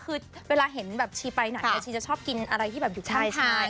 คือเวลาเห็นแบบชีไปไหนชีจะชอบกินอะไรที่แบบอยู่ข้าง